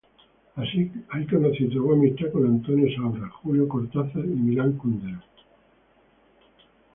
Ahí conoció y trabó amistad con Antonio Saura, Julio Cortázar y Milan Kundera.